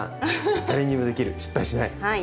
誰にでもできる失敗しない！